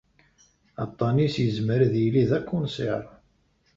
Aṭṭan-is izmer ad yili d akunsir.